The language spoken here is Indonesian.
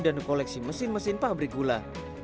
dan koleksi mesin mesin pabrik gula